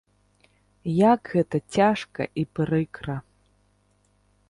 Як гэта цяжка і прыкра!